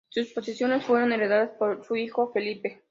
Sus posesiones fueron heredados por su hijo Felipe.